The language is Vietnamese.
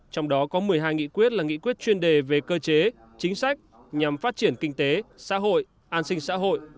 trong đó có một mươi hai nghị quyết là nghị quyết chuyên đề về cơ chế chính sách nhằm phát triển kinh tế xã hội an sinh xã hội